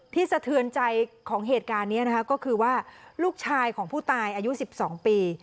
สะเทือนใจของเหตุการณ์นี้นะคะก็คือว่าลูกชายของผู้ตายอายุ๑๒ปี